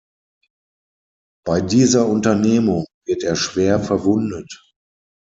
Bei dieser Unternehmung wird er schwer verwundet.